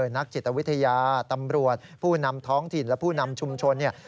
นักจิตวิทยาตำรวจผู้นำท้องถิ่นและผู้นำชุมชนเนี่ย